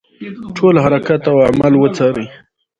ټول حرکات او اعمال وڅاري.